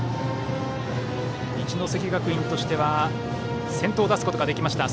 一関学院としては先頭を出すことができました。